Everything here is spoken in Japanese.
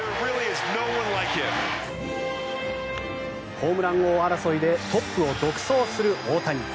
ホームラン王争いでトップを独走する大谷。